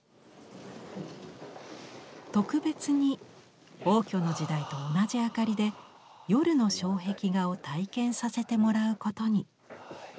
特別に応挙の時代と同じ灯りで夜の障壁画を体験させてもらうことに。